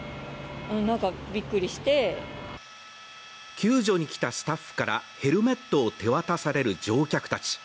救助に来たスタッフからヘルメットを手渡される乗客たち。